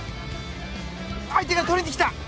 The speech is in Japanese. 相手がとりに来た！